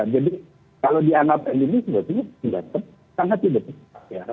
jadi kalau dianggap pandemi sepertinya sangat tidak bisa